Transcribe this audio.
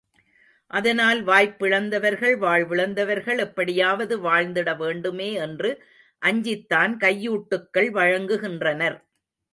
அதனால் வாய்ப்பிழந்தவர்கள், வாழ்விழந்தவர்கள் எப்படியாவது வாழ்ந்திடவேண்டுமே என்று அஞ்சித் தான் கையூட்டுக்கள் வழங்குகின்றனர்.